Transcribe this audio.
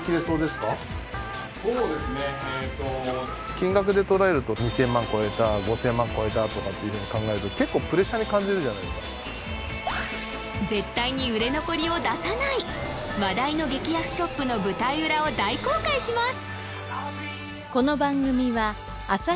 金額で捉えると絶対に売れ残りを出さない話題の激安ショップの舞台裏を大公開します